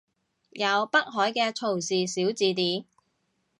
有北海嘅曹氏小字典